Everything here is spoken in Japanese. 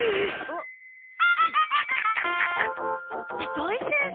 土井先生！